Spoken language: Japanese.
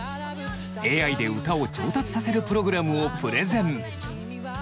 ＡＩで歌を上達させるプログラムをプレゼン。